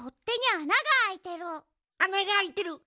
あながあいてる！